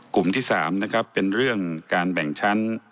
กลุ่มที่๓นะครับเป็นเรื่องการแบ่งชั้น